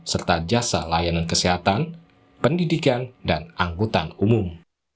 serta jasa layanan kesehatan pendidikan dan angkutan umum